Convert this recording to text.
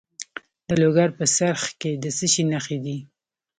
د لوګر په څرخ کې د څه شي نښې دي؟